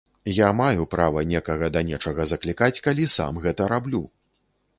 Я маю права некага да нечага заклікаць калі сам гэта раблю.